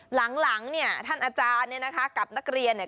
หลังหลังเนี่ยท่านอาจารย์เนี่ยนะคะกับนักเรียนเนี่ย